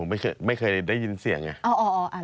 ผมไม่เคยได้ยินเสียงเนี่ย